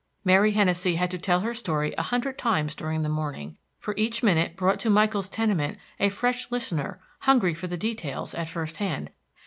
Mary Hennessey had to tell her story a hundred times during the morning, for each minute brought to Michael's tenement a fresh listener hungry for the details at first hand.